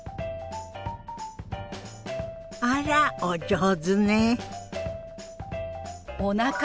あらお上手ね。